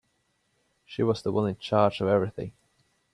She was the one in charge of everything.